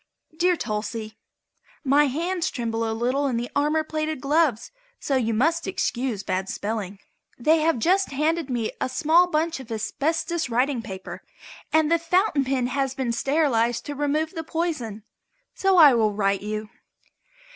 Dear Tolsey: My hands tremble a little in the armor plated gloves, so you must excuse bad spelling. They have just handed me a small bunch of asbestos writing paper, and the fountain pen has been sterilized to remove the poison, so I will write you.